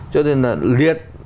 cho nên là liệt